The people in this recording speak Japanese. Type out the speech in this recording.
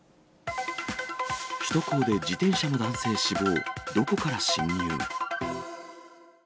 首都高で自転車の男性死亡、どこから進入？